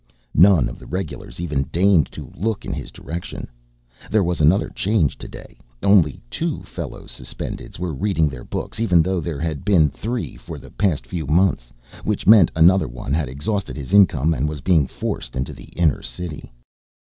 None of the regulars even deigned to look in his direction. There was another change today. Only two fellow Suspendeds were reading their books even though there had been three for the past few months. Which meant another one had exhausted his income and was being forced into the inner city.